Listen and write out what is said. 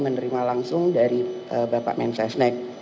menerima langsung dari bapak mensesnek